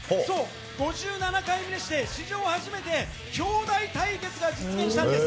５７回目にして史上初めて、兄弟対決が実現したんです。